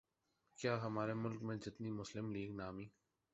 کیا ہمارے ملک میں جتنی مسلم لیگ نامی